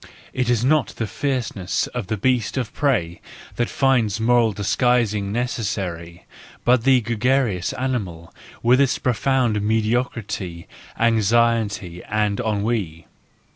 ... It is not the fierce¬ ness of the beast of prey that finds moral disguise necessary, but the gregarious animal, with its profound mediocrity, anxiety and ennui.